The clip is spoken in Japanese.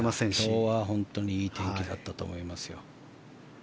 今日は本当にいい天気だったと思います。